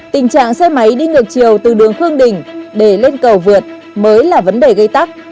tình trạng xe máy đi ngược chiều từ đường khương đình để lên cầu vượt mới là vấn đề gây tắc